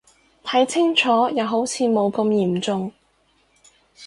睇清楚又好似冇咁嚴重